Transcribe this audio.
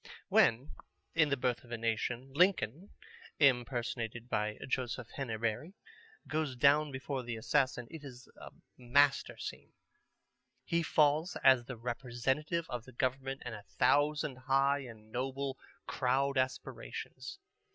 When, in The Birth of a Nation, Lincoln (impersonated by Joseph Henabery) goes down before the assassin, it is a master scene. He falls as the representative of the government and a thousand high and noble crowd aspirations.